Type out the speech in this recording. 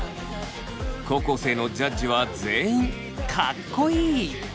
高校生のジャッジは全員「かっこいい」！